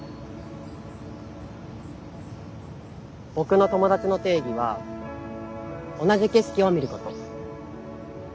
ボクの友達の定義は同じ景色を見ること。